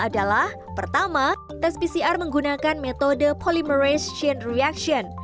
adalah pertama tes pcr menggunakan metode polymerase chain reaction